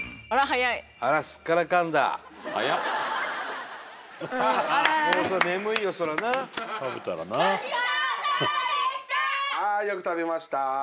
はいよく食べました。